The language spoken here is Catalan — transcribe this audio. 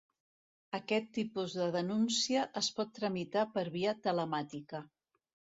Aquest tipus de denúncia es pot tramitar per via telemàtica.